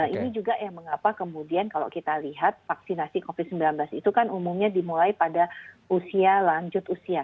ini juga yang mengapa kemudian kalau kita lihat vaksinasi covid sembilan belas itu kan umumnya dimulai pada usia lanjut usia